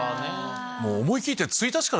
思い切って。